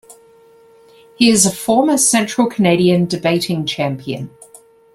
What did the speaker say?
He is a former Central Canadian Debating Champion.